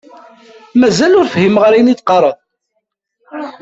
Mazal ur fhimeɣ ayen i d-teqqareḍ.